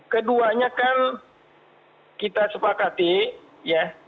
keduanya kan kita sepakati ya